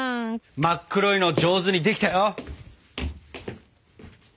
真っ黒いの上手にできたよ。